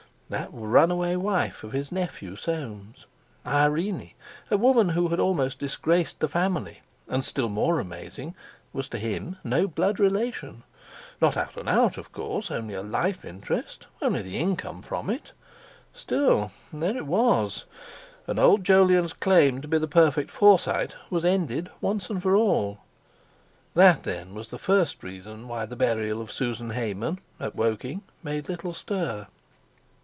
_" that runaway wife of his nephew Soames; Irene, a woman who had almost disgraced the family, and—still more amazing was to him no blood relation. Not out and out, of course; only a life interest—only the income from it! Still, there it was; and old Jolyon's claim to be the perfect Forsyte was ended once for all. That, then, was the first reason why the burial of Susan Hayman—at Woking—made little stir.